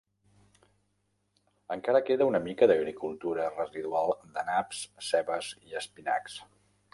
Encara queda una mica d'agricultura residual de naps, cebes i espinacs.